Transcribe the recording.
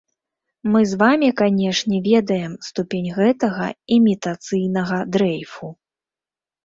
Мы з вамі, канешне, ведаем ступень гэтага імітацыйнага дрэйфу.